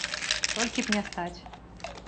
Толькі б не стаць!